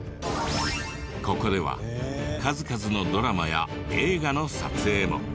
ここでは数々のドラマや映画の撮影も。